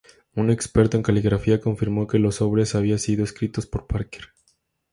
Un experto en caligrafía confirmó que los sobres había sido escritos por Parker.